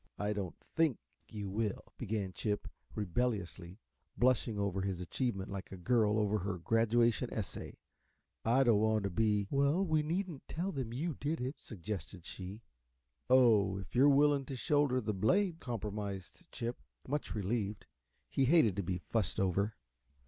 "I don't THINK you will," began Chip, rebelliously, blushing over his achievement like a girl over her graduation essay. "I don't want to be " "Well, we needn't tell them you did it," suggested she. "Oh, if you're willing to shoulder the blame," compromised Chip, much relieved. He hated to be fussed over.